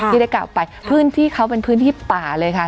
ที่ได้กล่าวไปพื้นที่เขาเป็นพื้นที่ป่าเลยค่ะ